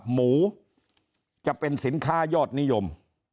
หมูจะเป็นสินค้ายอดนิยม